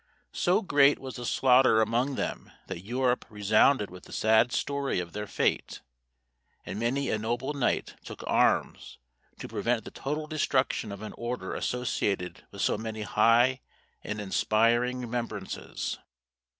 So great was the slaughter among them that Europe resounded with the sad story of their fate, and many a noble knight took arms to prevent the total destruction of an order associated with so many high and inspiring remembrances.